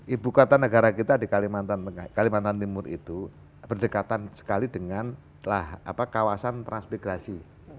ibu kota negara kita di kalimantan timur itu berdekatan sekali dengan kawasan transmigrasi